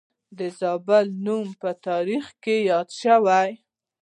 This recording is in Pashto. د زابل نوم په تاریخ کې یاد شوی